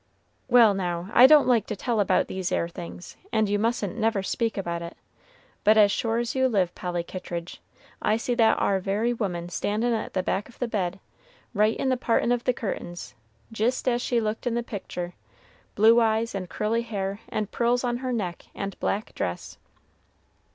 "Well, now, I don't like to tell about these 'ere things, and you mustn't never speak about it; but as sure as you live, Polly Kittridge, I see that ar very woman standin' at the back of the bed, right in the partin' of the curtains, jist as she looked in the pictur' blue eyes and curly hair and pearls on her neck, and black dress."